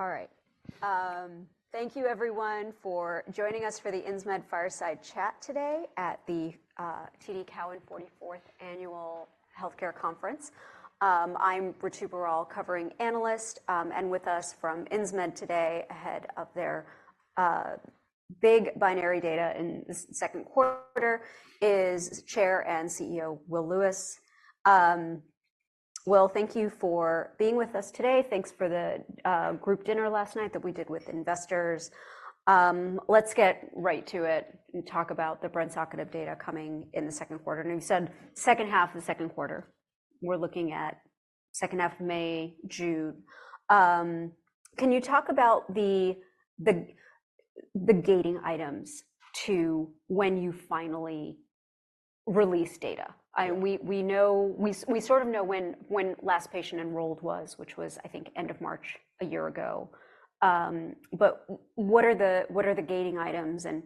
All right, thank you everyone for joining us for the Insmed Fireside Chat today at the TD Cowen 44th Annual Healthcare Conference. I'm Ritu Baral, covering analyst, and with us from Insmed today, ahead of their big binary data in this second quarter, is Chair and CEO Will Lewis. Will, thank you for being with us today. Thanks for the group dinner last night that we did with investors. Let's get right to it and talk about the brensocatib data coming in the second quarter. Now you said second half of the second quarter. We're looking at second half of May, June. Can you talk about the gating items to when you finally release data? We sort of know when the last patient enrolled was, which was, I think, end of March a year ago. What are the gating items, and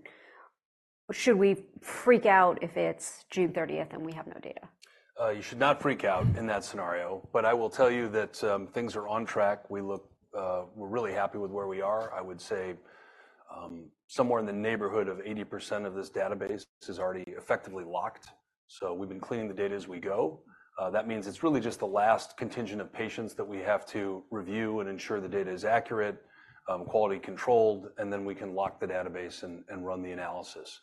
should we freak out if it's June 30th and we have no data? You should not freak out in that scenario, but I will tell you that, things are on track. We look, we're really happy with where we are. I would say, somewhere in the neighborhood of 80% of this database is already effectively locked, so we've been cleaning the data as we go. That means it's really just the last contingent of patients that we have to review and ensure the data is accurate, quality controlled, and then we can lock the database and, and run the analysis.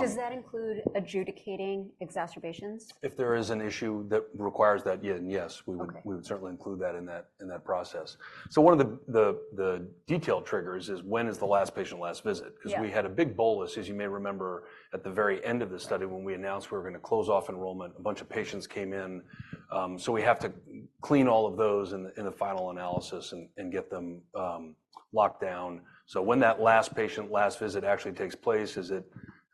Does that include adjudicating exacerbations? If there is an issue that requires that, yeah, then yes, we would. We would certainly include that in that process. So one of the detailed triggers is when is the last patient last visit? 'Cause we had a big bolus, as you may remember, at the very end of the study when we announced we were gonna close off enrollment. A bunch of patients came in, so we have to clean all of those in the final analysis and get them locked down. So when that last patient last visit actually takes place, is it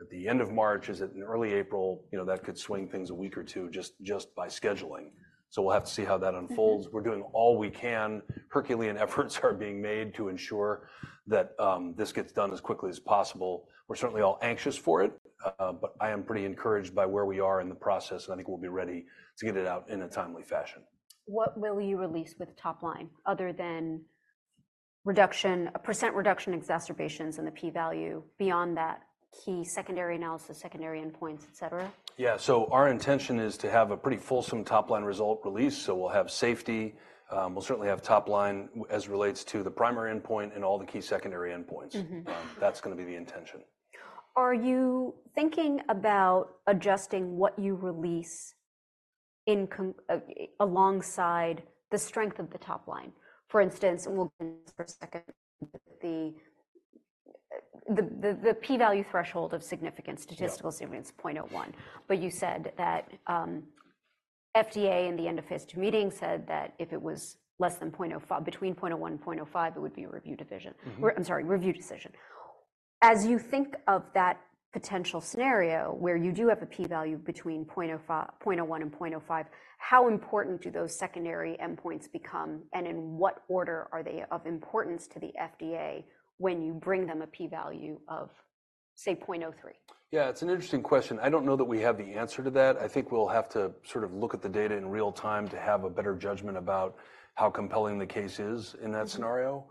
at the end of March? Is it in early April? You know, that could swing things a week or two just by scheduling. So we'll have to see how that unfolds. We're doing all we can. Herculean efforts are being made to ensure that this gets done as quickly as possible. We're certainly all anxious for it, but I am pretty encouraged by where we are in the process, and I think we'll be ready to get it out in a timely fashion. What will you release with topline other than reduction, a percent reduction in exacerbations in the p-value beyond that, key secondary analysis, secondary endpoints, etc.? Yeah, so our intention is to have a pretty fulsome topline results release, so we'll have safety. We'll certainly have topline as relates to the primary endpoint and all the key secondary endpoints. That's gonna be the intention. Are you thinking about adjusting what you release in conjunction alongside the strength of the top-line? For instance, we'll get into this for a second, the p-value threshold of significance, statistical significance 0.01. But you said that FDA in the end-of-phase 2 meeting said that if it was less than 0.05 between 0.01 and 0.05, it would be a review division. Review decision. As you think of that potential scenario where you do have a p-value between 0.01 and 0.05, how important do those secondary endpoints become, and in what order are they of importance to the FDA when you bring them a p-value of, say, 0.03? Yeah, it's an interesting question. I don't know that we have the answer to that. I think we'll have to sort of look at the data in real time to have a better judgment about how compelling the case is in that scenario.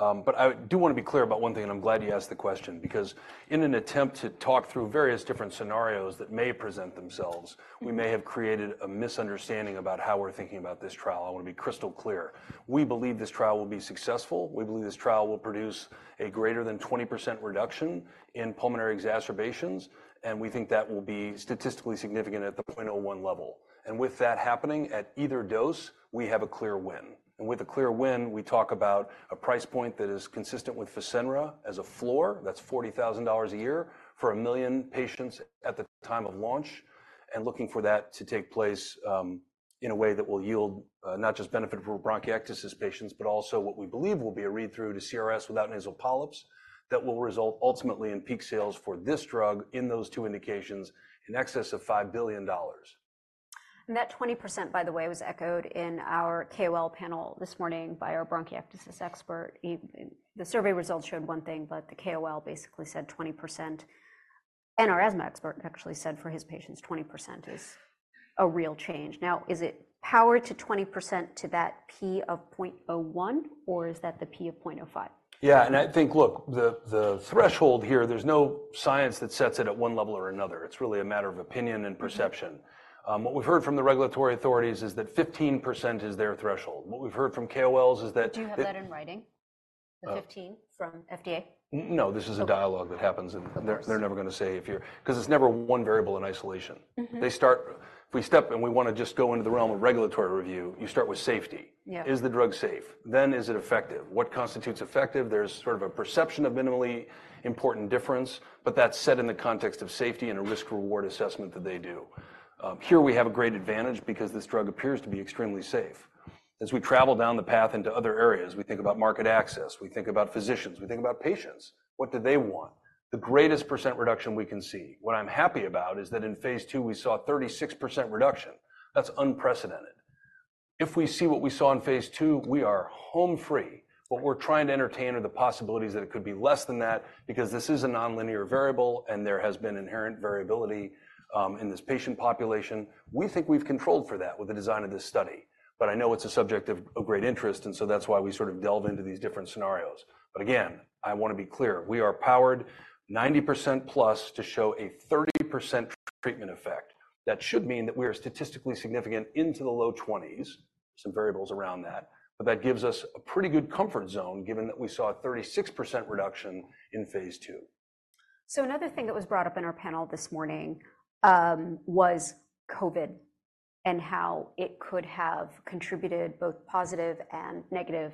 But I do wanna be clear about one thing, and I'm glad you asked the question, because in an attempt to talk through various different scenarios that may present themselves, we may have created a misunderstanding about how we're thinking about this trial. I wanna be crystal clear. We believe this trial will be successful. We believe this trial will produce a greater than 20% reduction in pulmonary exacerbations, and we think that will be statistically significant at the 0.01 level. And with that happening at either dose, we have a clear win. And with a clear win, we talk about a price point that is consistent with Fasenra as a floor. That's $40,000 a year for 1 million patients at the time of launch, and looking for that to take place, in a way that will yield, not just benefit for bronchiectasis patients but also what we believe will be a read-through to CRS without nasal polyps that will result ultimately in peak sales for this drug in those two indications in excess of $5 billion. And that 20%, by the way, was echoed in our KOL panel this morning by our bronchiectasis expert. The survey results showed one thing, but the KOL basically said 20%, and our asthma expert actually said for his patients, 20% is a real change. Now, is it power to 20% to that p of 0.01, or is that the p of 0.05? Yeah, and I think, look, the threshold here, there's no science that sets it at one level or another. It's really a matter of opinion and perception. What we've heard from the regulatory authorities is that 15% is their threshold. What we've heard from KOLs is that. Do you have that in writing, the 15 from FDA? No, this is a dialogue that happens, and they're never gonna say if you're 'cause it's never one variable in isolation. They start if we step and we wanna just go into the realm of regulatory review. You start with safety. Yeah. Is the drug safe? Then is it effective? What constitutes effective? There's sort of a perception of minimally important difference, but that's set in the context of safety and a risk-reward assessment that they do. Here we have a great advantage because this drug appears to be extremely safe. As we travel down the path into other areas, we think about market access. We think about physicians. We think about patients. What do they want? The greatest percent reduction we can see. What I'm happy about is that in phase two, we saw a 36% reduction. That's unprecedented. If we see what we saw in phase two, we are home-free. What we're trying to entertain are the possibilities that it could be less than that because this is a nonlinear variable, and there has been inherent variability in this patient population. We think we've controlled for that with the design of this study, but I know it's a subject of great interest, and so that's why we sort of delve into these different scenarios. But again, I wanna be clear. We are powered 90%+ to show a 30% treatment effect. That should mean that we are statistically significant into the low 20s, some variables around that, but that gives us a pretty good comfort zone given that we saw a 36% reduction in phase 2. So another thing that was brought up in our panel this morning was COVID and how it could have contributed both positive and negative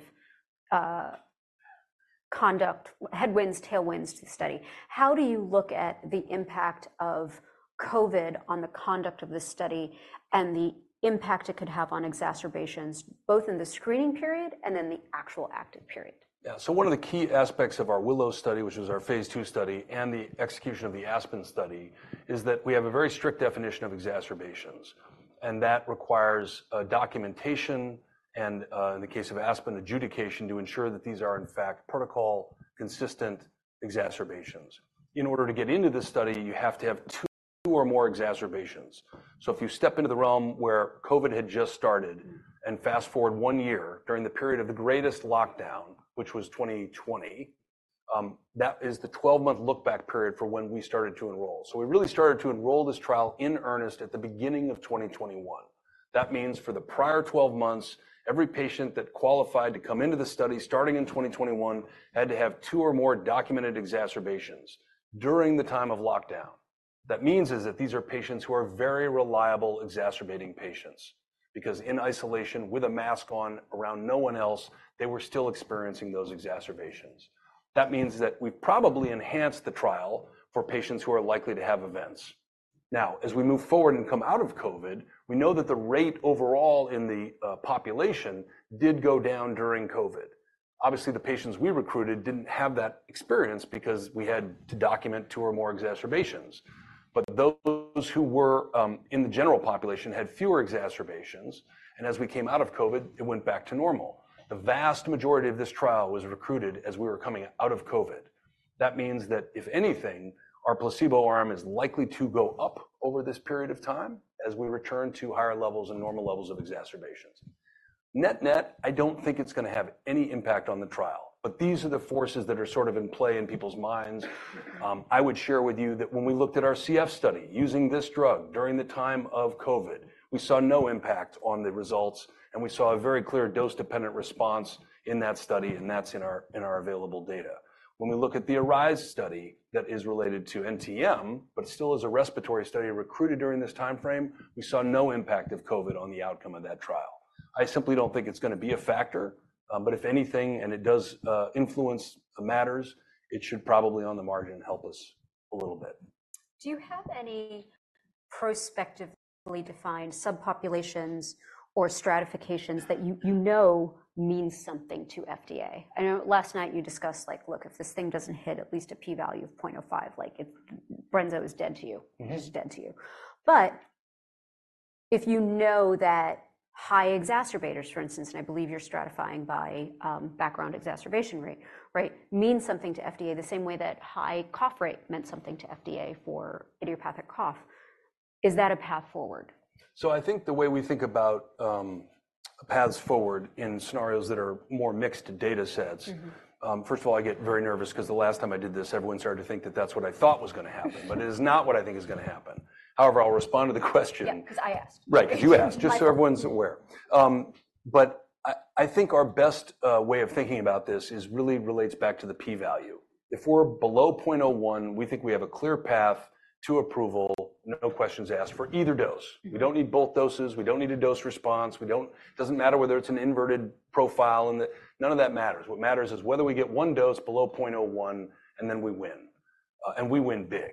conduct with headwinds, tailwinds to the study. How do you look at the impact of COVID on the conduct of this study and the impact it could have on exacerbations, both in the screening period and then the actual active period? Yeah, so one of the key aspects of our WILLOW study, which was our phase 2 study and the execution of the ASPEN study, is that we have a very strict definition of exacerbations, and that requires documentation and, in the case of ASPEN, adjudication to ensure that these are, in fact, protocol-consistent exacerbations. In order to get into this study, you have to have two or more exacerbations. So if you step into the realm where COVID had just started. Fast-forward 1 year during the period of the greatest lockdown, which was 2020, that is the 12-month look-back period for when we started to enroll. So we really started to enroll this trial in earnest at the beginning of 2021. That means for the prior 12 months, every patient that qualified to come into the study starting in 2021 had to have 2 or more documented exacerbations during the time of lockdown. That means is that these are patients who are very reliable exacerbating patients because in isolation with a mask on around no one else, they were still experiencing those exacerbations. That means that we've probably enhanced the trial for patients who are likely to have events. Now, as we move forward and come out of COVID, we know that the rate overall in the population did go down during COVID. Obviously, the patients we recruited didn't have that experience because we had to document two or more exacerbations, but those who were, in the general population had fewer exacerbations, and as we came out of COVID, it went back to normal. The vast majority of this trial was recruited as we were coming out of COVID. That means that if anything, our placebo arm is likely to go up over this period of time as we return to higher levels and normal levels of exacerbations. Net-net, I don't think it's gonna have any impact on the trial, but these are the forces that are sort of in play in people's minds. I would share with you that when we looked at our CF study using this drug during the time of COVID, we saw no impact on the results, and we saw a very clear dose-dependent response in that study, and that's in our available data. When we look at the ARISE study that is related to NTM but still is a respiratory study recruited during this time frame, we saw no impact of COVID on the outcome of that trial. I simply don't think it's gonna be a factor, but if anything, and it does influence matters, it should probably on the margin help us a little bit. Do you have any prospectively defined subpopulations or stratifications that you, you know, mean something to FDA? I know last night you discussed, like, look, if this thing doesn't hit at least a p-value of 0.05, like, it, brensocatib, is dead to you. It's dead to you. But if you know that high exacerbators, for instance, and I believe you're stratifying by background exacerbation rate, right, mean something to FDA the same way that high cough rate meant something to FDA for idiopathic cough, is that a path forward? I think the way we think about paths forward in scenarios that are more mixed datasets. First of all, I get very nervous 'cause the last time I did this, everyone started to think that that's what I thought was gonna happen, but it is not what I think is gonna happen. However, I'll respond to the question. Yeah, 'cause I asked. Right, 'cause you asked, just so everyone's aware. But I think our best way of thinking about this is really relates back to the p-value. If we're below 0.01, we think we have a clear path to approval, no questions asked for either dose. We don't need both doses. We don't need a dose response. It doesn't matter whether it's an inverted profile. In the end, none of that matters. What matters is whether we get one dose below 0.01 and then we win, and we win big.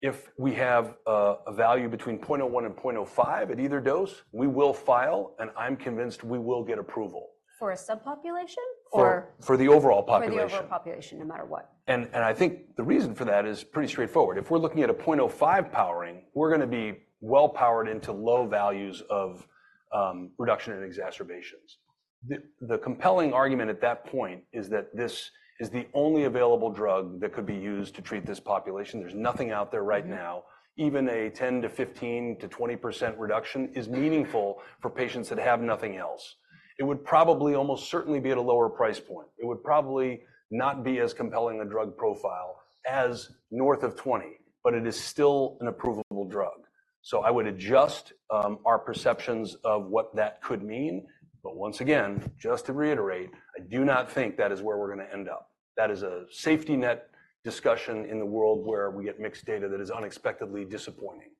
If we have a value between 0.01 and 0.05 at either dose, we will file, and I'm convinced we will get approval. For a subpopulation or? For the overall population. For the overall population no matter what. And I think the reason for that is pretty straightforward. If we're looking at a 0.05 powering, we're gonna be well-powered into low values of reduction in exacerbations. The compelling argument at that point is that this is the only available drug that could be used to treat this population. There's nothing out there right now. Even a 10% to 15% to 20% reduction is meaningful for patients that have nothing else. It would probably almost certainly be at a lower price point. It would probably not be as compelling a drug profile as north of 20, but it is still an approvalable drug. So I would adjust our perceptions of what that could mean, but once again, just to reiterate, I do not think that is where we're gonna end up. That is a safety net discussion in the world where we get mixed data that is unexpectedly disappointing.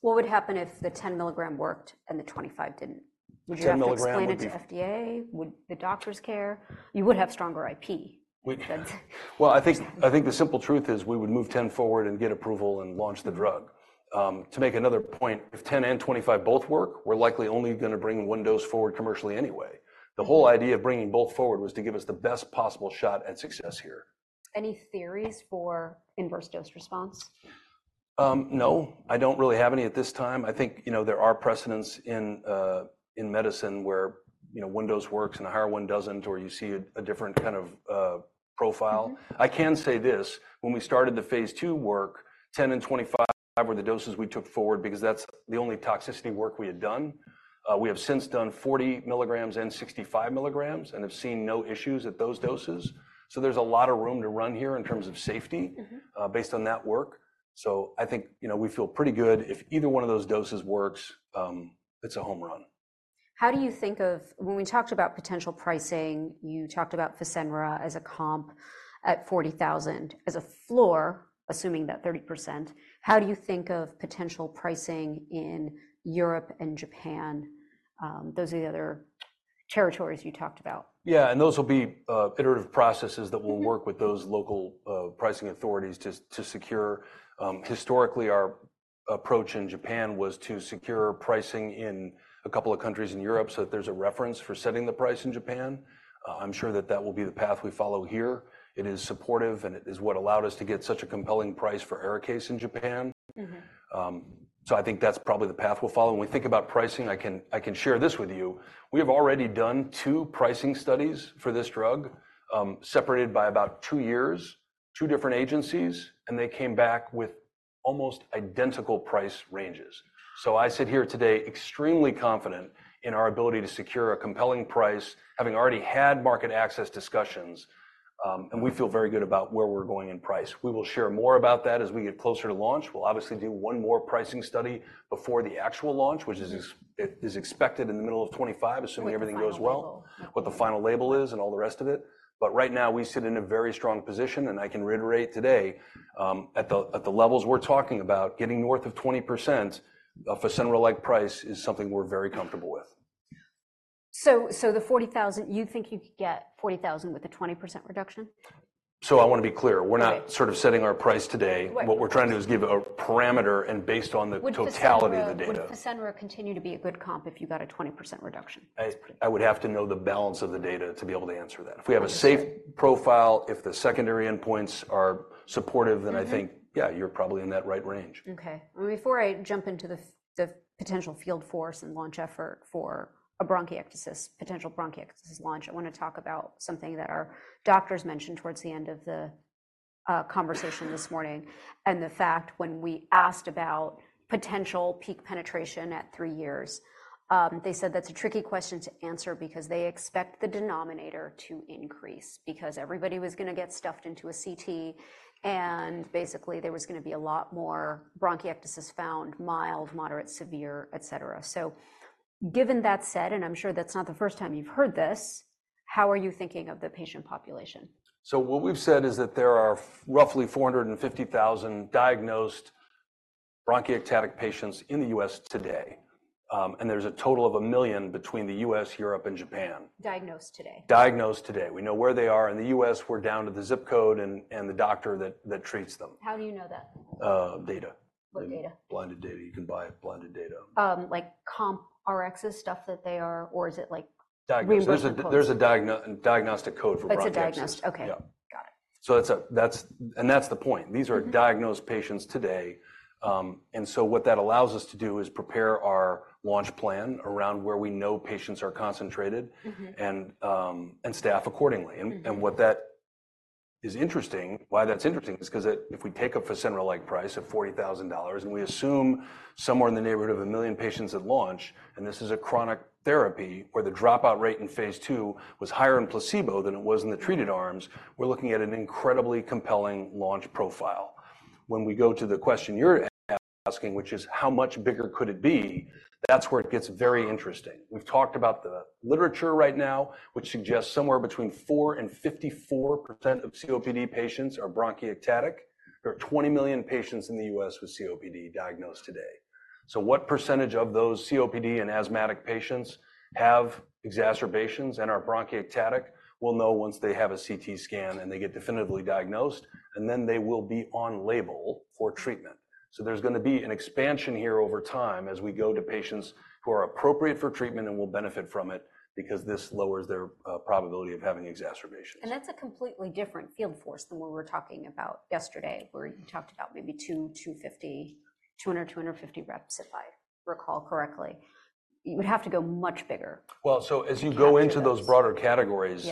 What would happen if the 10 milligram worked and the 25 didn't? Would you have explained it to FDA? 10 milligram would. Would the doctors care? You would have stronger IP. Well, I think the simple truth is we would move 10 forward and get approval and launch the drug. To make another point, if 10 and 25 both work, we're likely only gonna bring one dose forward commercially anyway. The whole idea of bringing both forward was to give us the best possible shot at success here. Any theories for inverse dose response? No. I don't really have any at this time. I think, you know, there are precedents in medicine where, you know, one dose works and a higher one doesn't, or you see a different kind of profile. I can say this. When we started the phase two work, 10 and 25 were the doses we took forward because that's the only toxicity work we had done. We have since done 40 milligrams and 65 milligrams and have seen no issues at those doses. So there's a lot of room to run here in terms of safety based on that work. So I think, you know, we feel pretty good. If either one of those doses works, it's a home run. How do you think of when we talked about potential pricing, you talked about Fasenra as a comp at $40,000 as a floor, assuming that 30%. How do you think of potential pricing in Europe and Japan, those are the other territories you talked about. Yeah, and those will be iterative processes that will work with those local pricing authorities to secure. Historically, our approach in Japan was to secure pricing in a couple of countries in Europe so that there's a reference for setting the price in Japan. I'm sure that that will be the path we follow here. It is supportive, and it is what allowed us to get such a compelling price for ARIKAYCE in Japan. So I think that's probably the path we'll follow. When we think about pricing, I can share this with you. We have already done two pricing studies for this drug, separated by about two years, two different agencies, and they came back with almost identical price ranges. So I sit here today extremely confident in our ability to secure a compelling price, having already had market access discussions, and we feel very good about where we're going in price. We will share more about that as we get closer to launch. We'll obviously do one more pricing study before the actual launch, which is expected in the middle of 2025, assuming everything goes well. Final label. What the final label is and all the rest of it. But right now, we sit in a very strong position, and I can reiterate today, at the levels we're talking about, getting north of 20% of Fecendra-like price is something we're very comfortable with. So, the 40,000, you think you could get 40,000 with a 20% reduction? I wanna be clear. We're not sort of setting our price today. What we're trying to do is give a parameter, and based on the totality of the data. Would Fecendra continue to be a good comp if you got a 20% reduction? I would have to know the balance of the data to be able to answer that. If we have a safe profile, if the secondary endpoints are supportive, then I think. Yeah, you're probably in that right range. Okay. And before I jump into the potential field force and launch effort for a bronchiectasis potential bronchiectasis launch, I wanna talk about something that our doctors mentioned towards the end of the conversation this morning and the fact when we asked about potential peak penetration at three years, they said that's a tricky question to answer because they expect the denominator to increase because everybody was gonna get stuffed into a CT, and basically, there was gonna be a lot more bronchiectasis found, mild, moderate, severe, etc. So given that said, and I'm sure that's not the first time you've heard this, how are you thinking of the patient population? What we've said is that there are roughly 450,000 diagnosed bronchiectatic patients in the U.S. today, and there's a total of 1 million between the U.S., Europe, and Japan. Diagnosed today? Diagnosed today. We know where they are. In the U.S., we're down to the ZIP code and the doctor that treats them. How do you know that? data. What data? Blinded data. You can buy blinded data. like comp Rx's stuff that they are, or is it like we've been put? There's a diagnostic code for bronchiectasis. That's a diagnostic. Okay. Got it. So that's, and that's the point. These are diagnosed patients today, and so what that allows us to do is prepare our launch plan around where we know patients are concentrated staff accordingly. And what's interesting is why that's interesting is 'cause if we take a Fasenra-like price of $40,000 and we assume somewhere in the neighborhood of 1 million patients at launch, and this is a chronic therapy where the dropout rate in phase 2 was higher in placebo than it was in the treated arms, we're looking at an incredibly compelling launch profile. When we go to the question you're asking, which is how much bigger could it be, that's where it gets very interesting. We've talked about the literature right now, which suggests somewhere between 4%-54% of COPD patients are bronchiectatic. There are 20 million patients in the US with COPD diagnosed today. So what percentage of those COPD and asthmatic patients have exacerbations and are bronchiectatic? We'll know once they have a CT scan and they get definitively diagnosed, and then they will be on label for treatment. So there's gonna be an expansion here over time as we go to patients who are appropriate for treatment and will benefit from it because this lowers their probability of having exacerbations. That's a completely different field force than what we were talking about yesterday where you talked about maybe 2,250, 200, 250 reps if I recall correctly. You would have to go much bigger. Well, so as you go into those broader categories.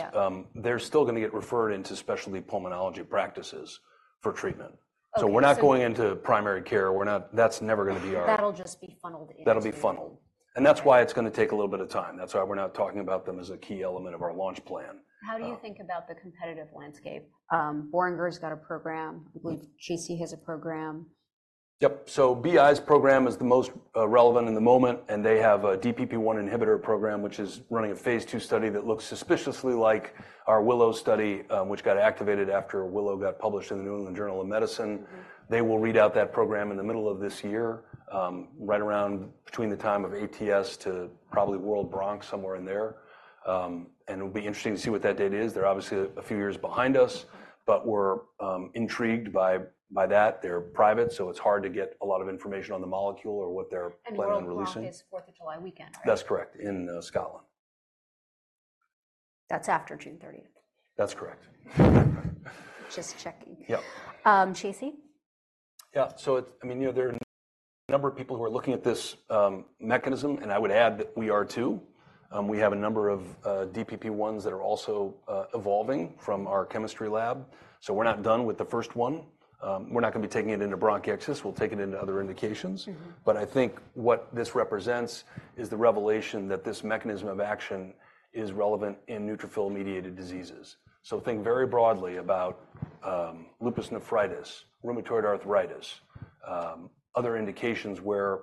They're still gonna get referred into specialty pulmonology practices for treatment. So we're not going into primary care. We're not. That's never gonna be our. That'll just be funneled into specialty. That'll be funneled. That's why it's gonna take a little bit of time. That's why we're not talking about them as a key element of our launch plan. How do you think about the competitive landscape? Boehringer's got a program. I believe GC has a program. Yep. So BI's program is the most relevant in the moment, and they have a DPP-1 inhibitor program, which is running a phase 2 study that looks suspiciously like our WILLOW study, which got activated after WILLOW got published in the New England Journal of Medicine. They will read out that program in the middle of this year, right around between the time of ATS to probably World Bronch, somewhere in there. It'll be interesting to see what that date is. They're obviously a few years behind us, but we're intrigued by that. They're private, so it's hard to get a lot of information on the molecule or what they're planning on releasing. WILLOW is 4th of July weekend, right? That's correct. In Scotland. That's after June 30th. That's correct. Just checking. Yep. GC? Yeah. So it's—I mean, you know, there are a number of people who are looking at this mechanism, and I would add that we are too. We have a number of DPP-1s that are also evolving from our chemistry lab. So we're not done with the first one. We're not gonna be taking it into bronchiectasis. We'll take it into other indications. But I think what this represents is the revelation that this mechanism of action is relevant in neutrophil-mediated diseases. So think very broadly about lupus nephritis, rheumatoid arthritis, other indications where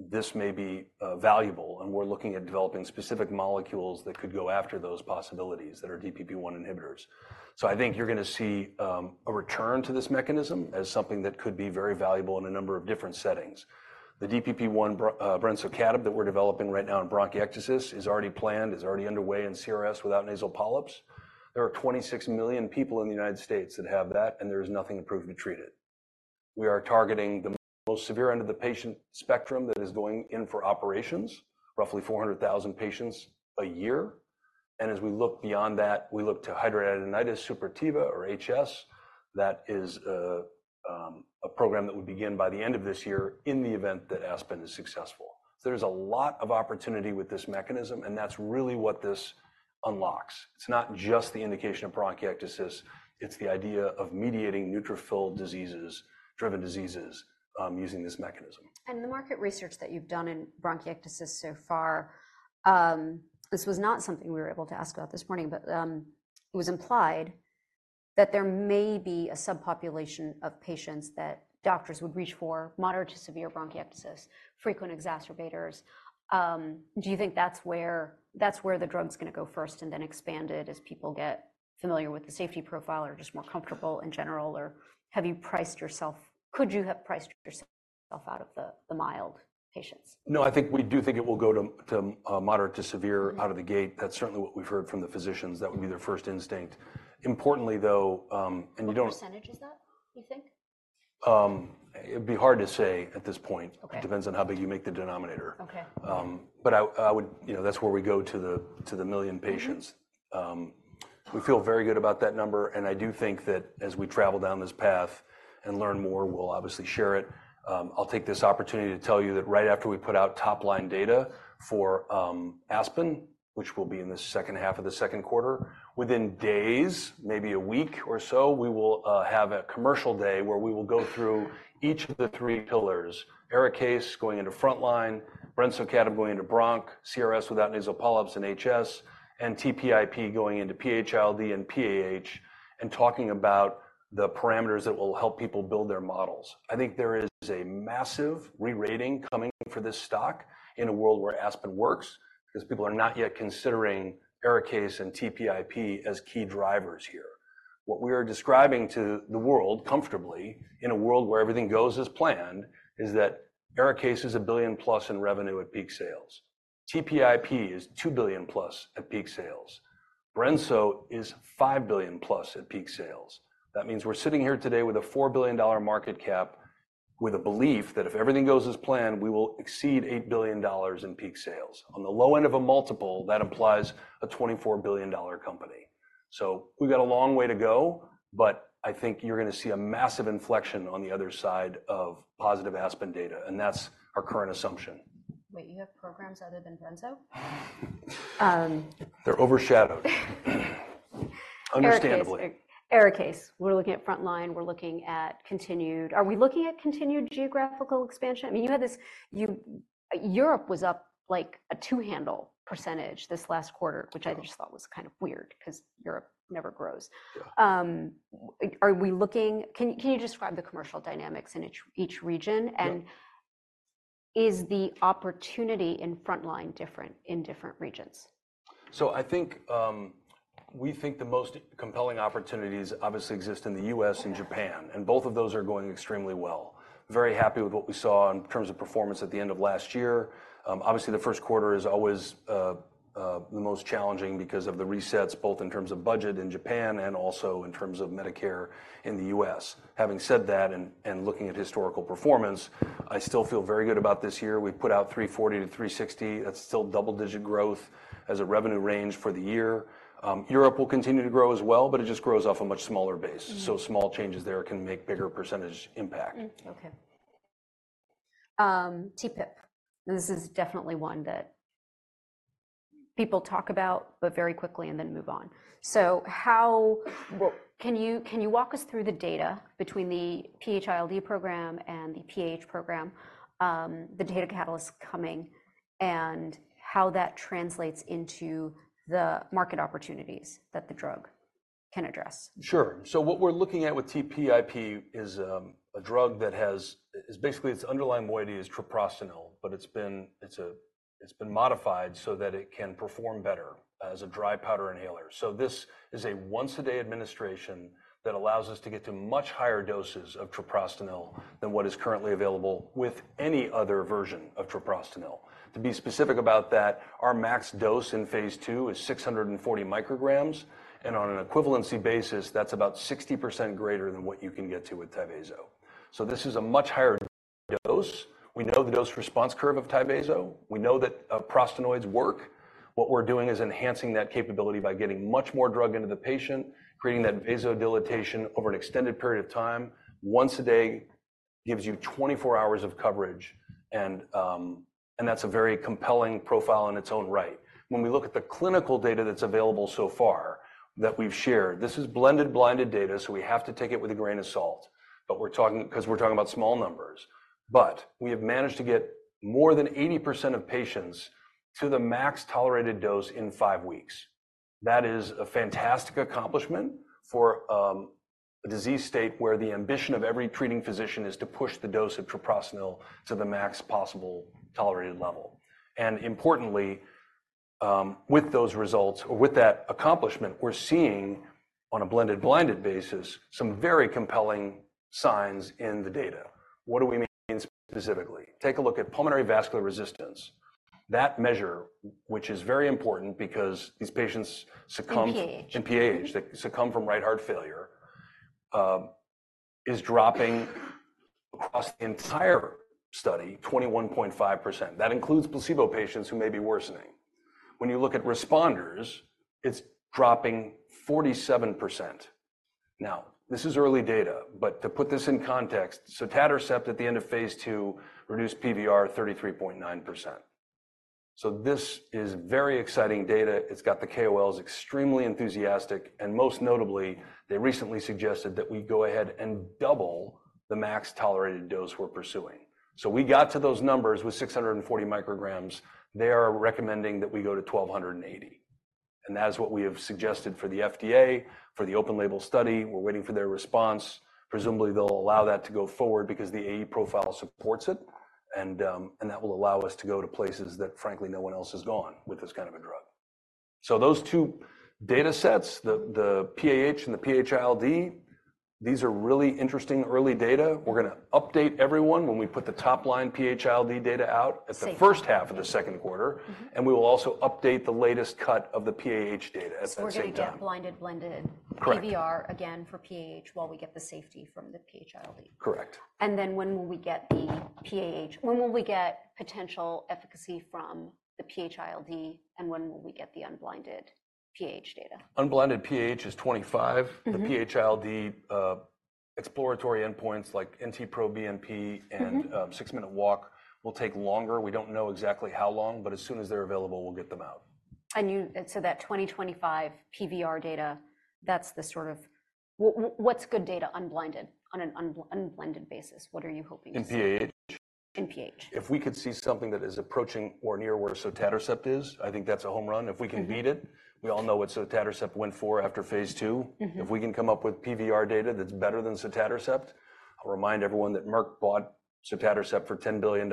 this may be valuable, and we're looking at developing specific molecules that could go after those possibilities that are DPP-1 inhibitors. So I think you're gonna see a return to this mechanism as something that could be very valuable in a number of different settings. The DPP-1 brensocatib that we're developing right now in bronchiectasis is already planned, is already underway in CRS without nasal polyps. There are 26 million people in the United States that have that, and there is nothing approved to treat it. We are targeting the most severe end of the patient spectrum that is going in for operations, roughly 400,000 patients a year. As we look beyond that, we look to hidradenitis suppurativa or HS. That is, a program that would begin by the end of this year in the event that ASPEN is successful. So there's a lot of opportunity with this mechanism, and that's really what this unlocks. It's not just the indication of bronchiectasis. It's the idea of mediating neutrophil diseases-driven diseases, using this mechanism. The market research that you've done in bronchiectasis so far, this was not something we were able to ask about this morning, but it was implied that there may be a subpopulation of patients that doctors would reach for, moderate to severe bronchiectasis, frequent exacerbators. Do you think that's where that's where the drug's gonna go first and then expand it as people get familiar with the safety profile or just more comfortable in general, or have you priced yourself could you have priced yourself out of the, the mild patients? No, I think we do think it will go to moderate to severe out of the gate. That's certainly what we've heard from the physicians. That would be their first instinct. Importantly, though, and you don't. What percentage is that, you think? It'd be hard to say at this point. Okay. It depends on how big you make the denominator. Okay. But I would, you know, that's where we go to the 1 million patients. We feel very good about that number, and I do think that as we travel down this path and learn more, we'll obviously share it. I'll take this opportunity to tell you that right after we put out top-line data for ASPEN, which will be in the second half of the second quarter, within days, maybe a week or so, we will have a commercial day where we will go through each of the three pillars: ARIKAYCE going into front line, brensocatib going into bronch, CRS without nasal polyps, and HS, and TPIP going into PH-ILD and PAH, and talking about the parameters that will help people build their models. I think there is a massive rerating coming for this stock in a world where ASPEN works 'cause people are not yet considering ARIKAYCE and TPIP as key drivers here. What we are describing to the world comfortably in a world where everything goes as planned is that ARIKAYCE is $1 billion+ in revenue at peak sales. TPIP is $2 billion+ at peak sales. brensocatib is $5 billion+ at peak sales. That means we're sitting here today with a $4 billion market cap with a belief that if everything goes as planned, we will exceed $8 billion in peak sales. On the low end of a multiple, that implies a $24 billion company. So we've got a long way to go, but I think you're gonna see a massive inflection on the other side of positive ASPEN data, and that's our current assumption. Wait, you have programs other than brensocatib? They're overshadowed. Understandably. ARIKAYCE, ARIKAYCE, we're looking at front line. We're looking at continued. Are we looking at continued geographical expansion? I mean, you had this. Europe was up, like, a two-handle percentage this last quarter, which I just thought was kind of weird 'cause Europe never grows. Can you describe the commercial dynamics in each region? Is the opportunity in front line different in different regions? So, I think we think the most compelling opportunities obviously exist in the U.S. and Japan, and both of those are going extremely well. Very happy with what we saw in terms of performance at the end of last year. Obviously, the first quarter is always the most challenging because of the resets, both in terms of budget in Japan and also in terms of Medicare in the U.S. Having said that and looking at historical performance, I still feel very good about this year. We put out $340-$360. That's still double-digit growth as a revenue range for the year. Europe will continue to grow as well, but it just grows off a much smaller base. Small changes there can make bigger percentage impact. Mm-hmm. Okay. TPIP. This is definitely one that people talk about but very quickly and then move on. So, how well can you walk us through the data between the PH-ILD program and the PAH program, the data catalyst coming, and how that translates into the market opportunities that the drug can address? Sure. So what we're looking at with TPIP is a drug that basically its underlying moiety is treprostinil, but it's been modified so that it can perform better as a dry powder inhaler. So this is a once-a-day administration that allows us to get to much higher doses of treprostinil than what is currently available with any other version of treprostinil. To be specific about that, our max dose in phase 2 is 640 micrograms, and on an equivalency basis, that's about 60% greater than what you can get to with Tyvaso. So this is a much higher dose. We know the dose-response curve of Tyvaso. We know that prostanoids work. What we're doing is enhancing that capability by getting much more drug into the patient, creating that vasodilation over an extended period of time. Once a day gives you 24 hours of coverage, and, and that's a very compelling profile in its own right. When we look at the clinical data that's available so far that we've shared, this is blended blinded data, so we have to take it with a grain of salt, but we're talking 'cause we're talking about small numbers. But we have managed to get more than 80% of patients to the max tolerated dose in five weeks. That is a fantastic accomplishment for a disease state where the ambition of every treating physician is to push the dose of treprostinil to the max possible tolerated level. And importantly, with those results or with that accomplishment, we're seeing, on a blended blinded basis, some very compelling signs in the data. What do we mean specifically? Take a look at pulmonary vascular resistance. That measure, which is very important because these patients succumb. In PH. In PH, they succumb from right heart failure, is dropping across the entire study 21.5%. That includes placebo patients who may be worsening. When you look at responders, it's dropping 47%. Now, this is early data, but to put this in context, Sotatercept at the end of phase 2 reduced PVR 33.9%. This is very exciting data. It's got the KOLs extremely enthusiastic, and most notably, they recently suggested that we go ahead and double the max tolerated dose we're pursuing. We got to those numbers with 640 micrograms. They are recommending that we go to 1,280, and that's what we have suggested for the FDA, for the open-label study. We're waiting for their response. Presumably, they'll allow that to go forward because the AE profile supports it, and that will allow us to go to places that, frankly, no one else has gone with this kind of a drug. So those two data sets, the PAH and the PHLD, these are really interesting early data. We're gonna update everyone when we put the top-line PHLD data out. Safe. At the first half of the second quarter, and we will also update the latest cut of the PAH data at that same time. So we're gonna get blinded blended PVR. Again for PAH while we get the safety from the PH-ILD. Correct. And then, when will we get the PAH, when will we get potential efficacy from the PH-ILD, and when will we get the unblinded PAH data? Unblinded PAH is 25. The PH-ILD exploratory endpoints like NT-proBNP and six-minute walk will take longer. We don't know exactly how long, but as soon as they're available, we'll get them out. That 2025 PVR data, that's the sort of what's good data unblinded on an unblinded basis? What are you hoping to see? In PAH? In PH. If we could see something that is approaching or near where sotatercept is, I think that's a home run. If we can beat it. We all know what sotatercept went for after phase 2. If we can come up with PVR data that's better than sotatercept, I'll remind everyone that Merck bought sotatercept for $10 billion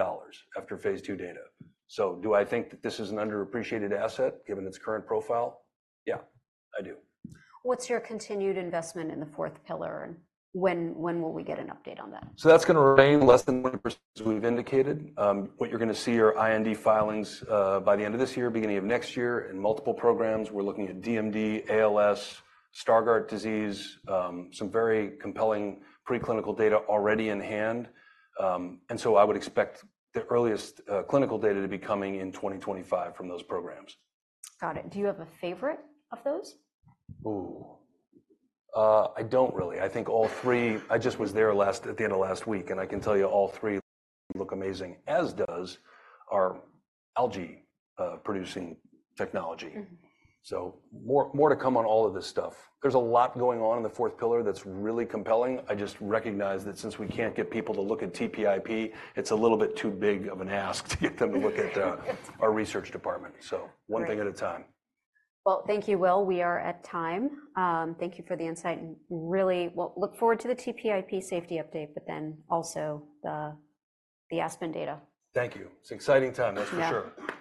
after phase 2 data. So do I think that this is an underappreciated asset given its current profile? Yeah, I do. What's your continued investment in the fourth pillar, and when, when will we get an update on that? So that's gonna remain less than 20% as we've indicated. What you're gonna see are IND filings, by the end of this year, beginning of next year, and multiple programs. We're looking at DMD, ALS, Stargardt disease, some very compelling preclinical data already in hand. And so I would expect the earliest, clinical data to be coming in 2025 from those programs. Got it. Do you have a favorite of those? Ooh. I don't really. I think all three I just was there last at the end of last week, and I can tell you all three look amazing, as does our algae-producing technology. More, more to come on all of this stuff. There's a lot going on in the fourth pillar that's really compelling. I just recognize that since we can't get people to look at TPIP, it's a little bit too big of an ask to get them to look at our research department. One thing at a time. Well, thank you, Will. We are at time. Thank you for the insight and really, well, look forward to the TPIP safety update, but then also the ASPEN data. Thank you. It's an exciting time. Thank you. That's for sure.